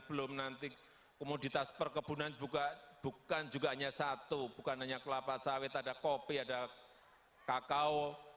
belum nanti komoditas perkebunan bukan juga hanya satu bukan hanya kelapa sawit ada kopi ada kakao